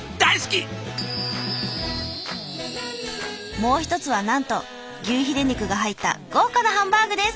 もう１つはなんと牛ヒレ肉が入った豪華なハンバーグです！